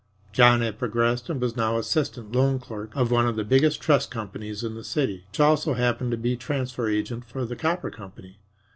John had progressed and was now assistant loan clerk of one of the biggest trust companies in the city, which also happened to be transfer agent for the copper company.